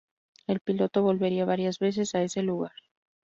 El piloto volvería varias veces a ese lugar.